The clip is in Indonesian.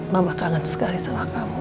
mama kangen sekali sama kamu